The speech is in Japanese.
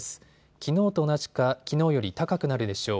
きのう同じかきのうより高くなるでしょう。